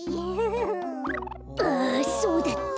ああそうだった。